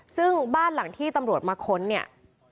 ซึ่งบ้านหลังที่ตำรวจมาค้นเนี่ย